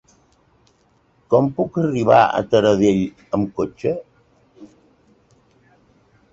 Com puc arribar a Taradell amb cotxe?